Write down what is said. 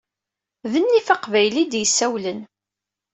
D nnif aqbayli i d-yessawlen!